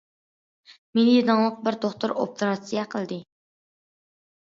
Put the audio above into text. مېنى داڭلىق بىر دوختۇر ئوپېراتسىيە قىلدى.